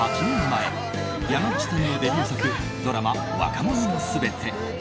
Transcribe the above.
前山口さんのデビュー作ドラマ「若者のすべて」。